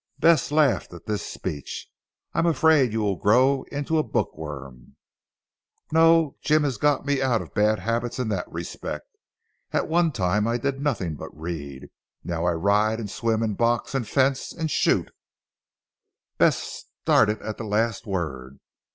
Bess laughed at this speech. "I am afraid you will grow into a bookworm." "No. Jim has got me out of bad habits in that respect. At one time I did nothing but read. Now I ride and swim and box and fence and shoot " Bess started at the last word.